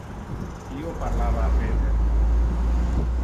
Io parlava a Peter.